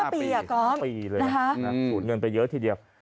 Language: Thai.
๕ปีอ่ะคอมนะฮะสูญเงินไปเยอะทีเดียว๕ปี